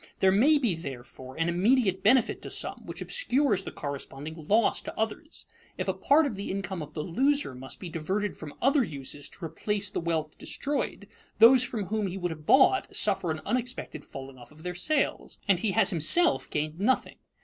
There may be, therefore, an immediate benefit to some, which obscures the corresponding loss to others. If a part of the income of the loser must be diverted from other uses to replace the wealth destroyed, those from whom he would have bought suffer an unexpected falling off of their sales, and he has himself gained nothing.